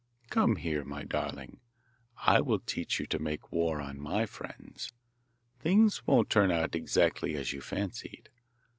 Come here, my darling! I will teach you to make war on my friends! Things won't turn out exactly as you fancied.